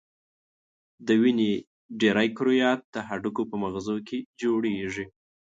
د وینې ډېری کرویات د هډوکو په مغزو کې جوړیږي.